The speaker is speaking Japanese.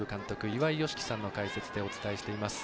岩井美樹さんの解説でお伝えしています。